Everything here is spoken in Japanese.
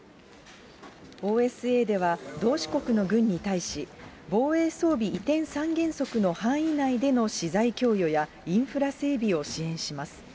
ＯＳＡでは同志国の軍に対し、防衛装備移転三原則の範囲内での資材供与やインフラ整備を支援します。